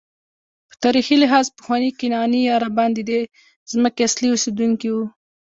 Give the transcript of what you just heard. په تاریخي لحاظ پخواني کنعاني عربان ددې ځمکې اصلي اوسېدونکي وو.